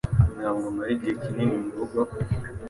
Ntabwo mara igihe kinini murugo